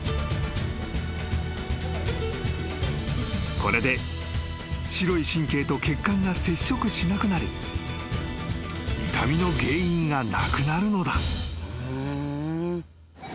［これで白い神経と血管が接触しなくなり痛みの原因がなくなるのだ］